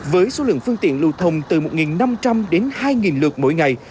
với số lượng phương tiện lưu thông từ một năm trăm linh đến hai lượt mỗi ngày